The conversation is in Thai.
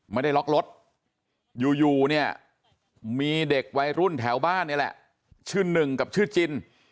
ไม่ได้ล็อกรถอยู่มีเด็กวัยรุ่นแถวบ้านชื่อ๑กับชื่อจิน